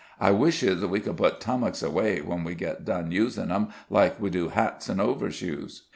I wishes we could put tummuks away when we get done usin' 'em, like we do hats an' overshoes."